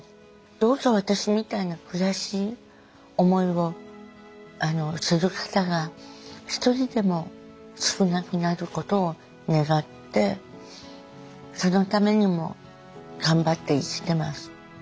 どうか私みたいな悔しい思いをする方が一人でも少なくなることを願ってそのためにも頑張って生きてます。